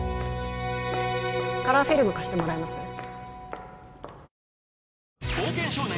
カラーフィルム貸してもらえます？